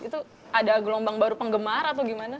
itu ada gelombang baru penggemar atau gimana